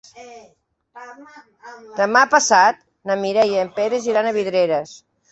Demà passat na Mireia i en Peris iran a Vidreres.